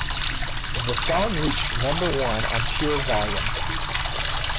The song reached number one on Pure Volume.